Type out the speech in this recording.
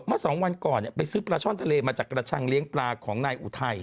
เมื่อสองวันก่อนไปซื้อปลาช่อนทะเลมาจากกระชังเลี้ยงปลาของนายอุทัย